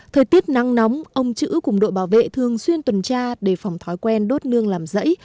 thời tiết nắng nóng ông chữ cùng đội bảo vệ thường xuyên tuần tra để phòng thói quen đốt nương làm rẫy